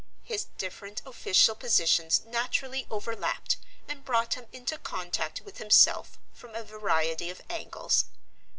His different official positions naturally overlapped and brought him into contact with himself from a variety of angles.